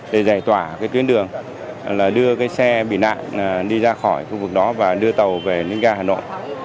để giải tỏa tuyến đường đưa xe bị nạn đi ra khỏi khu vực đó và đưa tàu về ninh gia hà nội